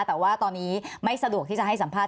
แต่ว่าตอนนี้ไม่สะดวกที่จะให้สัมภาษณ